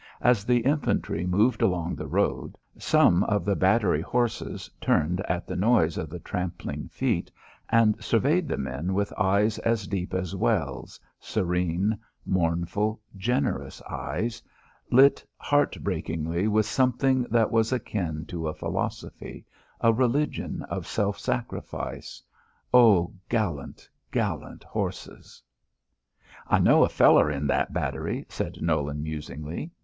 As the infantry moved along the road, some of the battery horses turned at the noise of the trampling feet and surveyed the men with eyes as deep as wells, serene, mournful, generous eyes, lit heart breakingly with something that was akin to a philosophy, a religion of self sacrifice oh, gallant, gallant horses! "I know a feller in that battery," said Nolan, musingly.